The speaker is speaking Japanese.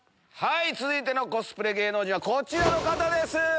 はい続いてのコスプレ芸能人はこちらの方です。